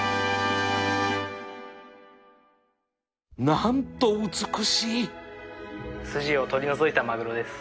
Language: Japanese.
何と美しいすじを取り除いたマグロです。